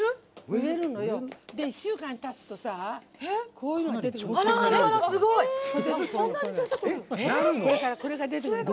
１週間たつとさこういうのが出てくる。